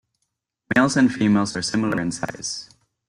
Males and females are similar in size.